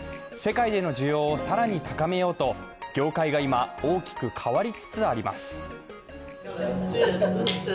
世界での需要を更に高めようと業界が今、大きく変わりつつあります。